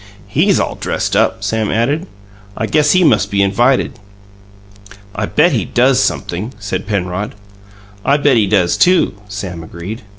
"He's all dressed up," Sam added. "I guess he must be invited." "I bet he does sumpthing," said Penrod. "I bet he does, too," Sam agreed.